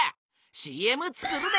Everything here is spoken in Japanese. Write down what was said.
ＣＭ作るで！